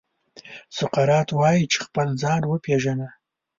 سقراط وايي چې خپل ځان وپېژنه.